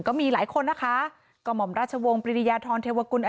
ก็มีหลายคนนะคะก็ห่อมราชวงศ์ปริยาธรเทวกุล